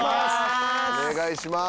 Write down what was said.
お願いします！